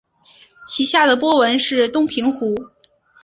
其下的波纹是东平湖。